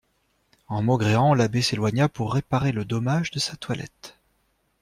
En maugréant, l'abbé s'éloigna pour réparer le dommage de sa toilette.